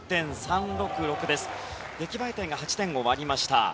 出来栄え点が８点を割りました。